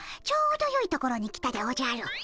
ちょうどよいところに来たでおじゃる。